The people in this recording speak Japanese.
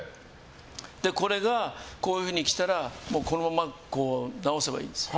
これがこういうふうに来たらこのまま直せばいいんです。